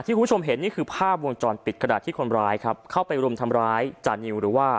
คุณผู้ชมเห็นนี่คือภาพวงจรปิดขณะที่คนร้ายครับเข้าไปรุมทำร้ายจานิวหรือว่า